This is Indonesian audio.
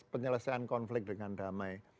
penyelesaian konflik dengan damai